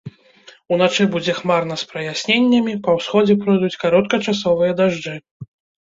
Уначы будзе хмарна з праясненнямі, па ўсходзе пройдуць кароткачасовыя дажджы.